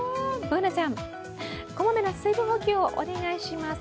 Ｂｏｏｎａちゃん、こまめな水分補給をお願いします。